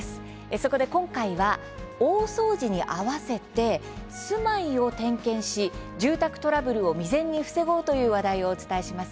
そこで今回は大掃除に合わせて住まいを点検し、住宅トラブルを未然に防ごうという話題をお伝えします。